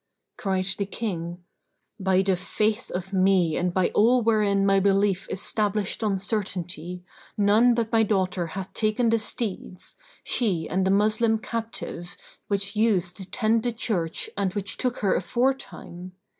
Cried the King, "By the faith of me and by all wherein my belief is stablished on certainty, none but my daughter hath taken the steeds, she and the Moslem captive which used to tend the Church and which took her aforetime!